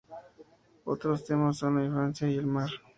Otros temas son la infancia y el mar.